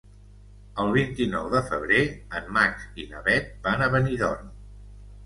El vint-i-nou de febrer en Max i na Bet van a Benidorm.